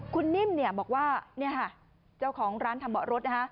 คุณนิ่มบอกว่าเจ้าของร้านทำเบาะรถนะฮะ